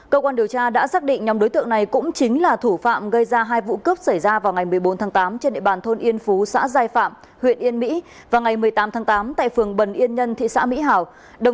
cơ quan điều tra đã xác định nhóm đối tượng này cũng chính là thủ phạm gây ra hai vụ cướp xảy ra vào ngày một mươi bốn tháng tám trên địa bàn thôn yên phú xã giai phạm huyện yên mỹ và ngày một mươi tám tháng tám tại phường bần yên nhân thị xã mỹ hảo